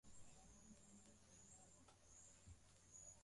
kuishi kwao bila kupokea utaftaji mpya kutoka